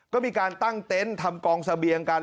ก็มีการตั้งเต็นต์ทำกองเสบียงกัน